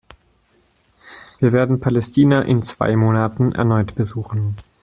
Wir werden Palästina in zwei Monaten erneut besuchen.